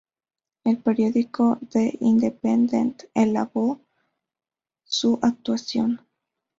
El periódico The Independent alabó su actuación.